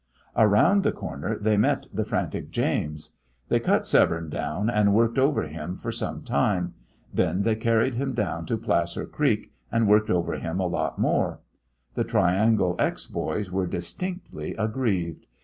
Around the corner they met the frantic James. They cut Severne down, and worked over him for some time. Then they carried him down to Placer Creek, and worked over him a lot more. The Triangle X boys were distinctly aggrieved.